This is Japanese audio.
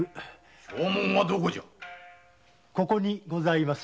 証文はここにございます。